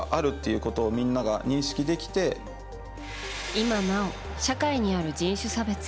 今なお社会にある人種差別。